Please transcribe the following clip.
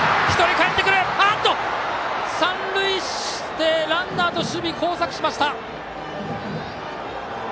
おっと、三塁でランナーと守備が交錯しました。